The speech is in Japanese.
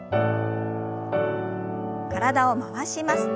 体を回します。